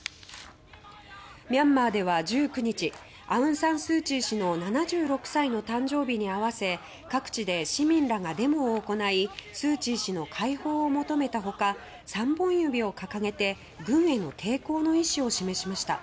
ミャンマーでは１９日アウン・サン・スー・チー氏の７６歳の誕生日に合わせ各地で市民らがデモを行いスー・チー氏の解放を求めた他３本指を掲げて軍への抵抗の意思を示しました。